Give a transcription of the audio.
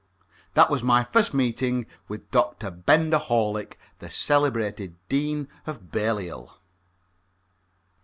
That was my first meeting with Dr. Benger Horlick, the celebrated Dean of Belial.